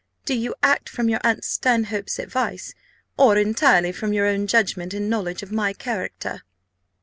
Do you act from your aunt Stanhope's advice, or entirely from your own judgment and knowledge of my character?"